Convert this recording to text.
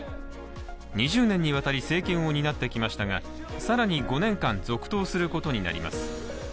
２０年にわたり、政権を担ってきましたが更に５年間、続投することになります。